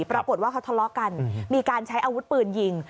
ปรากฏว่าเขาทะเลาะกันมีการใช้อาวุธปืนยิง